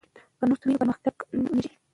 که نوښت وي نو پرمختګ نه ودریږي.